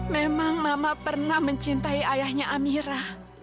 memang mama pernah mencintai ayahnya amira